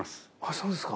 そうですか。